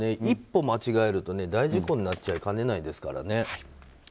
一歩間違えると大事故になっちゃいかねないですからね。